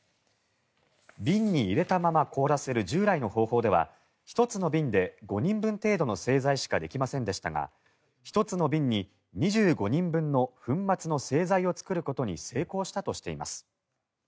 瓶に入れたまま凍らせる従来の方法では１つの瓶で５人分程度の製剤しかできませんでしたが１つの瓶に２５人分の粉末の製剤を作ることに成功したとしています。